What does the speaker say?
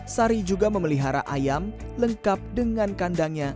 sari juga memelihara ayam lengkap dengan kandangnya